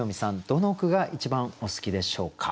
どの句が一番お好きでしょうか？